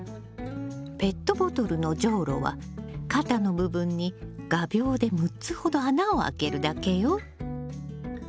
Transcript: ペットボトルのじょうろは肩の部分に画びょうで６つほど穴を開けるだけよ。